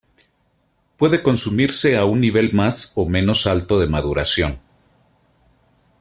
Puede consumirse a un nivel más o menos alto de maduración.